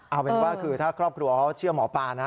เอาเป็นว่าคือถ้าครอบครัวเขาเชื่อหมอปลานะ